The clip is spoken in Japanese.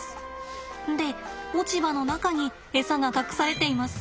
で落ち葉の中にエサが隠されています。